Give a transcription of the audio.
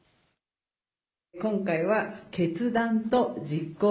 今回は決断と実行。